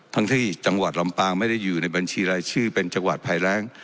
ทั้งที่จังหวัดลำปางไม่ได้อยู่ในบัญชีรายชื่อเป็นจังหวัดภัยแรง